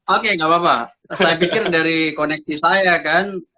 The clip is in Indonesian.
oke gak apa apa saya pikir dari koneksi saya kan